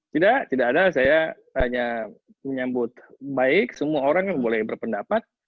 tidak tidak ada saya hanya menyambut baik semua orang boleh berpendapat